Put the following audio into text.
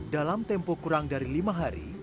dalam tempo kurang dari lima hari